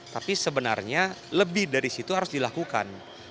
tapi sebenarnya lebih dari situ harus dilakukan